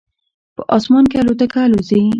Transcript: په اسمان کې الوتکه الوزي